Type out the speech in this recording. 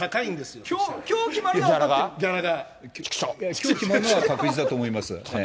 きょう決まるのは、確実だと思います。